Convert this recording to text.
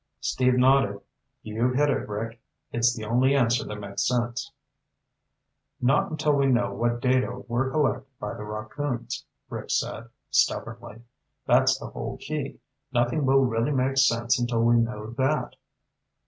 Steve nodded. "You've hit it, Rick. It's the only answer that makes sense." "Not until we know what data were collected by the rockoons," Rick said stubbornly. "That's the whole key. Nothing will really make sense until we know that."